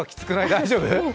大丈夫？